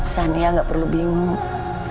sania gak perlu bingung